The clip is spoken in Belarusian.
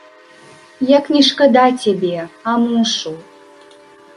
Як не шкада цябе, а мушу.